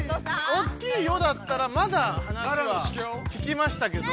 おっきい「よ」だったらまだ話は聞きましたけど。